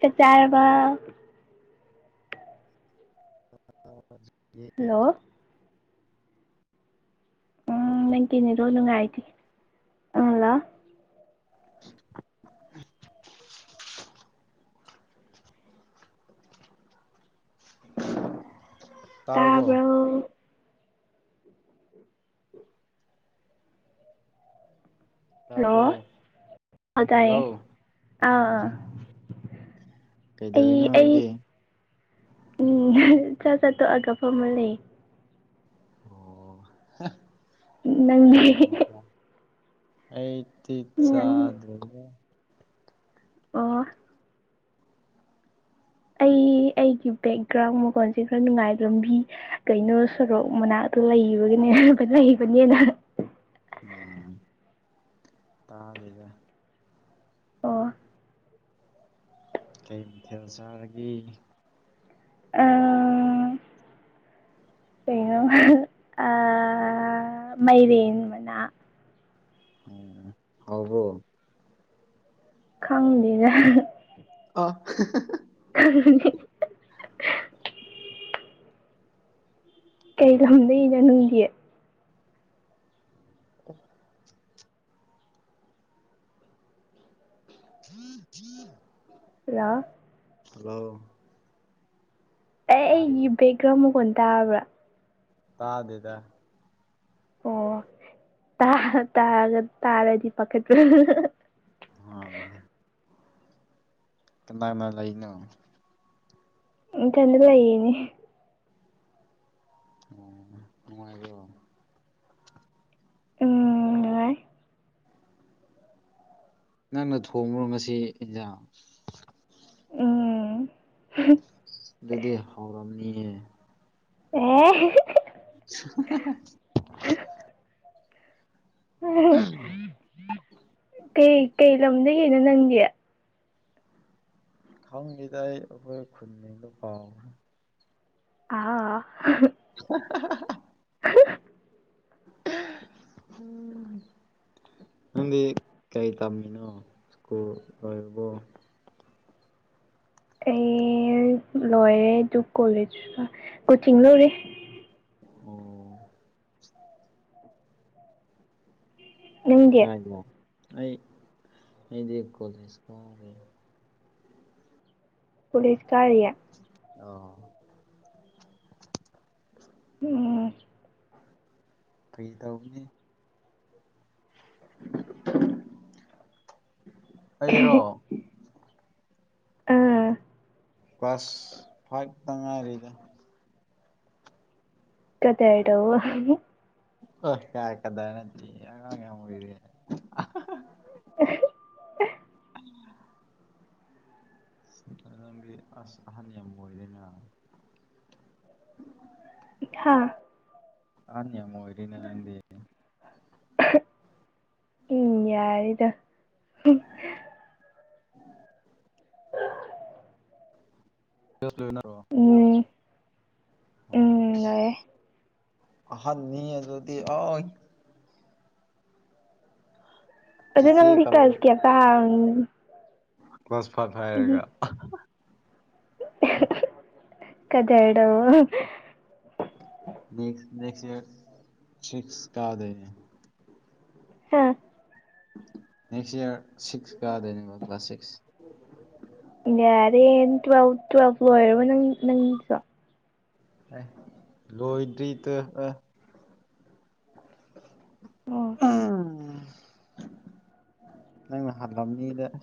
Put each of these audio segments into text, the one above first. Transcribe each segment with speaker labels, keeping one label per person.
Speaker 1: ꯆꯥꯛ ꯆꯥꯔ ꯃꯥ ꯍꯜꯂꯣ
Speaker 2: [unintelligible]
Speaker 1: ꯎꯝ ꯅꯪꯒꯤ ꯅꯥꯔꯣꯟ ꯅꯨꯡꯉꯥꯏꯇꯦ ꯎꯝ ꯍꯜꯂꯣ
Speaker 2: [unintelligible] ꯇꯥꯔꯕꯣ
Speaker 1: ꯇꯥꯕ꯭ꯔꯣ ꯍꯜꯂꯣ
Speaker 2: ꯇꯥꯕ꯭ꯔꯣ
Speaker 1: ꯑꯧ ꯇꯥꯏꯌꯦ
Speaker 2: ꯍꯜꯂꯣ
Speaker 1: ꯑꯥ ꯑꯥ
Speaker 2: ꯎꯝ ꯀꯩꯗꯧꯔꯤꯅꯣ
Speaker 1: ꯑꯩ ꯑꯩ
Speaker 2: ꯅꯪꯗꯤ
Speaker 1: ꯎꯝ ꯆꯥꯛ ꯆꯥ ꯇꯣꯛꯑꯒ ꯐꯝꯃ ꯂꯩꯌꯦ
Speaker 2: ꯑꯣ ꯀꯩ
Speaker 1: ꯅꯪꯗꯤ
Speaker 2: ꯃꯊꯦꯜ ꯆꯥꯏ ꯑꯩꯗꯤ
Speaker 1: ꯎꯝ
Speaker 2: ꯆꯥꯗ꯭ꯔꯤꯗ
Speaker 1: ꯑꯣ ꯑꯩ
Speaker 2: [unintelligible]
Speaker 1: ꯑꯩꯒꯤ ꯕꯦꯛꯒ꯭ꯔꯥꯎꯟ ꯃꯈꯣꯟꯁꯦ ꯈꯔ ꯅꯨꯡꯉꯥꯏꯔꯝꯕꯤ ꯀꯩꯅꯣ ꯁꯣꯔꯣꯛ ꯃꯅꯥꯛꯇ ꯂꯩꯕꯒꯤꯅꯦ ꯀꯥ ꯂꯩꯕꯅꯦꯅ
Speaker 2: ꯑꯣꯝ ꯇꯥꯗꯦꯗ
Speaker 1: ꯑꯣ
Speaker 2: ꯀꯩ ꯃꯊꯦꯜ ꯆꯥꯔꯒꯦ
Speaker 1: ꯑꯥ ꯀꯩꯅꯣ ꯑꯥ ꯃꯥꯏꯔꯦꯟ ꯃꯅꯥ
Speaker 2: ꯑꯣꯝ ꯍꯥꯎꯕ꯭ꯔꯣ
Speaker 1: ꯈꯪꯗꯦꯗ
Speaker 2: ꯑ
Speaker 1: [unintelligible] ꯀꯩ ꯂꯝꯗꯩꯅꯣ ꯅꯪꯗꯤ
Speaker 2: [unintelligible] [unintelligible]
Speaker 1: ꯍꯜꯂꯣ
Speaker 2: ꯍꯜꯂꯣ
Speaker 1: ꯑꯦ
Speaker 2: ꯇꯥꯏꯌꯦ
Speaker 1: ꯑꯩꯒꯤ ꯕꯦꯛꯒ꯭ꯔꯥꯎ ꯃꯈꯣꯟ ꯇꯥꯕ꯭ꯔꯥ
Speaker 2: ꯇꯥꯗꯦꯗ
Speaker 1: ꯑꯣ ꯇꯥꯔ ꯇꯥꯔꯗ ꯇꯥꯔꯗꯤ ꯄꯥꯈꯠꯄ
Speaker 2: ꯑꯣ ꯀꯅꯥ ꯀꯅꯥ ꯂꯩꯅꯣ
Speaker 1: ꯏꯊꯟꯗ ꯂꯩꯌꯤꯅꯦ
Speaker 2: ꯑꯣ ꯅꯨꯡꯉꯥꯏꯕꯔꯣ
Speaker 1: ꯎꯝ ꯅꯨꯡꯉꯥꯏ
Speaker 2: ꯅꯪꯅ ꯊꯣꯡꯕ꯭ꯔꯣ ꯉꯁꯤ ꯏꯟꯖꯥꯡ
Speaker 1: ꯎꯝ
Speaker 2: ꯑꯗꯨꯗꯤ ꯍꯥꯎꯔꯝꯅꯤꯌꯦ
Speaker 1: ꯑ‌ꯣ
Speaker 2: [unintelligible] ꯑꯍꯝ
Speaker 1: ꯀꯩ ꯀꯩ ꯂꯝꯗꯒꯤꯅꯣ ꯅꯪꯗꯤ
Speaker 2: ꯈꯪꯗꯦꯗ ꯑꯩ ꯑꯩꯈꯣꯏ ꯈꯨꯟꯒꯗꯣ ꯀꯥꯎꯒꯔꯦ
Speaker 1: ꯑꯥ
Speaker 2: [unintelligible]
Speaker 1: [unintelligible]
Speaker 2: ꯎꯝ ꯅꯪꯗꯤ ꯀꯩ ꯇꯝꯃꯤꯅꯣ ꯁ꯭ꯀꯨꯜ ꯂꯣꯏꯔꯕꯣ
Speaker 1: ꯑꯩ ꯂꯣꯏꯔꯦ ꯑꯗꯨ ꯀꯣꯂꯦꯖ ꯀꯣꯆꯤꯡ ꯇꯧꯔꯤ
Speaker 2: ꯑꯣ
Speaker 1: ꯅꯪꯗꯤ
Speaker 2: ꯀꯥꯏꯗ ꯑꯩ ꯑꯩꯗꯤ ꯀꯣꯂꯦꯖ ꯀꯥꯗꯔꯦ
Speaker 1: ꯀꯣꯂꯦꯖ ꯀꯥꯔꯤꯌꯦ
Speaker 2: ꯑꯥꯎ
Speaker 1: ꯎꯝ
Speaker 2: ꯐꯥꯒꯤ ꯇꯧꯕꯅꯦ ꯑꯩꯔꯣ
Speaker 1: ꯑꯥ
Speaker 2: ꯀ꯭ꯂꯥꯁ ꯐꯥꯏꯚꯇ ꯉꯥꯏꯔꯤꯗ
Speaker 1: ꯀꯗ꯭ꯔ ꯇꯧꯑꯣ
Speaker 2: ꯑꯥ ꯀꯥꯏ ꯀꯗ꯭ꯔ ꯅꯠꯇꯤꯌꯦ ꯑꯉꯥꯡ ꯌꯥꯝ ꯑꯣꯏꯔꯤꯌ‌ꯦ
Speaker 1: [unintelligible]
Speaker 2: [unintelligible] ꯅꯪꯗꯤ ꯑꯁ ꯑꯍꯟ ꯌꯥꯝ ꯑꯣꯏꯔꯦꯅ [unintelligible]
Speaker 1: ꯍꯥꯥ
Speaker 2: ꯑꯍꯟ ꯌꯥꯝ ꯑꯣꯏꯔꯦꯅ ꯅꯪꯗꯤ
Speaker 1: ꯎꯝ ꯌꯥꯔ‍ꯦꯗ [unintelligible]
Speaker 2: [inaudible]
Speaker 1: ꯎꯝ ꯎꯝ
Speaker 2: ꯑꯣ ꯑꯁ
Speaker 1: ꯂꯣꯏꯔꯦ
Speaker 2: ꯑꯍꯟꯅꯤ ꯑꯗꯨꯗꯤ ꯑꯠ
Speaker 1: ꯑꯗꯨ
Speaker 2: ꯆꯤꯆꯦ
Speaker 1: ꯅꯪꯗꯤ
Speaker 2: ꯀꯧ
Speaker 1: ꯀꯂꯥꯁ ꯀꯌꯥ ꯀꯥꯔꯕ
Speaker 2: ꯀ꯭ꯂꯥꯁ ꯐꯥꯏꯚ ꯍꯥꯏꯔꯒ
Speaker 1: ꯀꯗ꯭ꯔ ꯇꯧꯋ‌ꯣ
Speaker 2: ꯅꯦꯛꯁ ꯅꯦꯛꯁ ꯌꯔ ꯁꯤꯛꯁ ꯀꯗ‌ꯣꯏꯅ‌ꯦ
Speaker 1: ꯍꯥꯥ
Speaker 2: ꯅꯦꯛꯁ ꯏꯌꯥꯔ ꯁꯤꯛꯁ ꯀꯥꯗꯣꯏꯅꯦꯕꯣ class six
Speaker 1: year twelve twelve ꯂ‌ꯣꯏꯔꯕ ꯅꯪ ꯅꯪꯁꯨ
Speaker 2: ꯑꯦ ꯂꯣꯏꯗ꯭ꯔꯤꯗ ꯑ
Speaker 1: ꯑꯣ
Speaker 2: ꯅꯪꯅ ꯍꯥꯜꯂꯝꯅꯤꯗ ꯑꯁ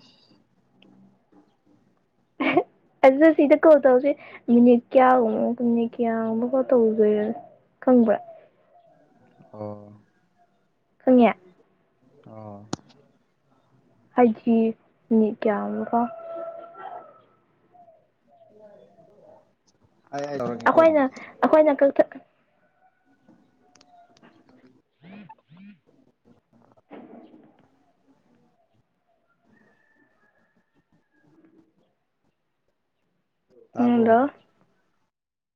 Speaker 1: ꯑꯍꯦ ꯑꯗꯨ ꯁꯤꯗ ꯀꯣꯜ ꯇꯧꯁꯦ ꯃꯤꯅꯤꯠ ꯀ꯭ꯌꯥꯒꯨꯝꯕ ꯃꯤꯅꯤꯠ ꯀꯌꯥ ꯃꯨꯛꯀ ꯇꯧꯗꯣꯏꯔ ꯈꯪꯕ꯭ꯔꯥ
Speaker 2: ꯑꯥ
Speaker 1: ꯈꯪꯌꯥ
Speaker 2: ꯑꯥ
Speaker 1: ꯑꯩꯒꯤ ꯃꯤꯅꯤꯠ ꯀꯌꯥꯔꯀꯣ
Speaker 2: ꯍꯥꯏ ꯍꯥꯏ
Speaker 1: ꯑꯈꯣꯏꯅ ꯑꯈꯣꯏꯅ ꯀꯛꯊ [unintelligible] ꯑꯥ ꯍꯜꯂꯣ
Speaker 2: ꯇꯥꯕ꯭ꯔꯣ